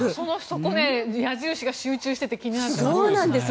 そこで矢印が集中していて気になります。